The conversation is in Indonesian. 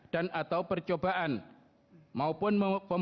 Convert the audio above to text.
dan atau percobaan maupun pemberian